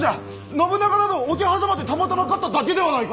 信長など桶狭間でたまたま勝っただけではないか！